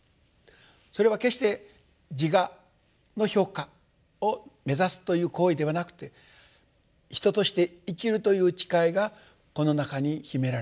それは決して自我の評価を目指すという行為ではなくて人として生きるという誓いがこの中に秘められている。